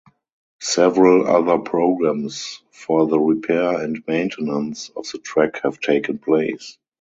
Several other programs for the repair and maintenance of the track have taken place.